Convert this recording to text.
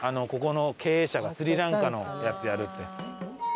ここの経営者がスリランカのやつやるって。